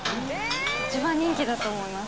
１番人気だと思います